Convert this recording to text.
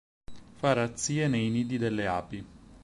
Fa razzie nei nidi delle api.